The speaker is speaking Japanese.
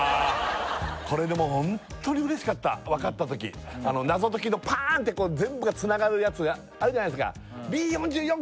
これでもホントに嬉しかったわかったとき謎解きのパーンて全部がつながるやつあるじゃないですか